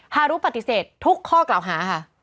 ฮารุปฏิเสธทุกข้อกล่าวหาค่ะ